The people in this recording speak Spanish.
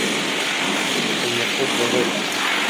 El parque está abierto todo el año.